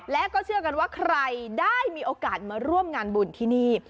และก็เชื่อกันว่าใครได้มีโอกาสมาร่วมงานบุญที่นี่